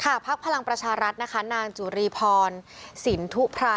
ก็มันยังไม่หมดวันหนึ่ง